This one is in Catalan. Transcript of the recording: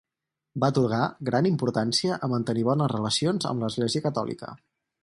Va atorgar gran importància a mantenir bones relacions amb l'església catòlica.